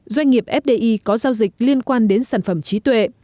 doanh nghiệp fdi có giao dịch liên quan đến sản phẩm trí tuệ